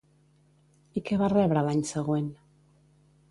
I què va rebre l'any següent?